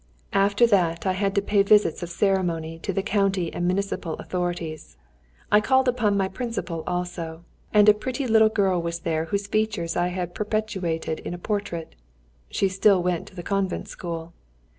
After that, I had to pay visits of ceremony to the county and municipal authorities; I called upon my principal also, and a pretty little girl was there whose features I had perpetuated in a portrait; she still went to the convent school.